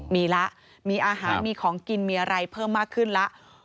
มีละมีอาหารมีของกินมีอะไรเพิ่มมากขึ้นแล้ว